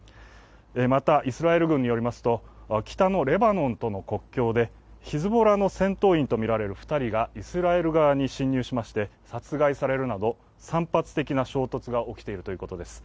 また、イスラエル軍によりますと、北のレバノンとの国境でヒズボラの戦闘員とみられる２人がイスラエル側に侵入しまして殺害されるなど、散発的な衝突が起きているということです。